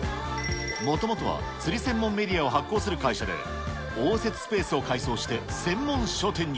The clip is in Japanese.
もともとは釣り専門メディアを発行する会社で、応接スペースを改装して専門書店に。